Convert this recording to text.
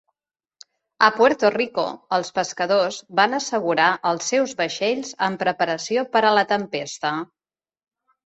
A Puerto Rico, els pescadors van assegurar els seus vaixells en preparació per a la tempesta.